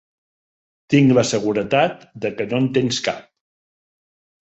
Tinc la seguretat de que no en tens cap.